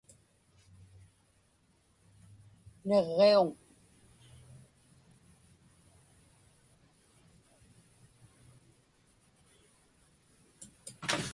Niġġiuŋ.